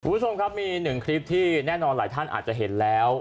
คุณผู้ชมครับมีหนึ่งคลิปที่แน่นอนหลายท่านอาจจะเห็นแล้ว